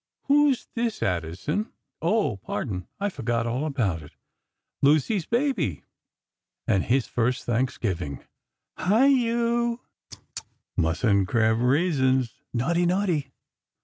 Who's this Addison? Oh, pardon; I forgot all about it. Lucy's baby; and his first Thanksgiving. Hi, you! Tut tut! Mustn't grab raisins! Naughty, naughty!